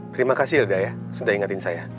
terima kasih hilda ya sudah ingatin saya